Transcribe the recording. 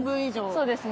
そうですね。